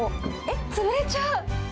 えっ、潰れちゃう。